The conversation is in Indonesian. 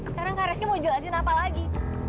sekarang kak reski mau jelasin apa lagi